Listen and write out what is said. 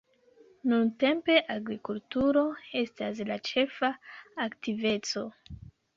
Nuntempe agrikulturo estas la ĉefa aktiveco.